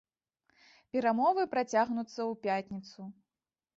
Перамовы працягнуцца ў пятніцу.